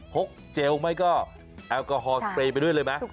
กเจลไหมก็แอลกอฮอลสเปรย์ไปด้วยเลยไหม